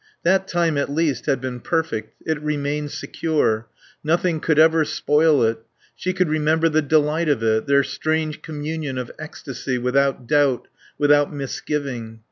That time at least had been perfect; it remained secure; nothing could ever spoil it; she could remember the delight of it, their strange communion of ecstasy, without doubt, without misgiving.